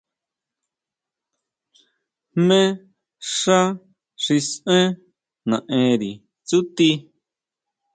¿Jmé xá xi saʼen nari tsúti?